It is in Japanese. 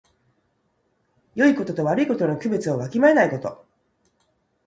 よいことと悪いことの区別をわきまえないこと。